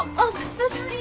久しぶり！